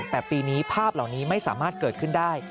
แต่ปีนี้ภาพเหล่านี้ไม่สามารถเกิดขึ้นได้